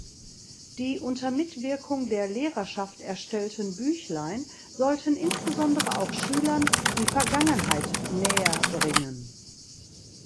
Die "unter Mitwirkung der Lehrerschaft" erstellten Büchlein sollten insbesondere auch Schülern "die Vergangenheit näher(bringen)".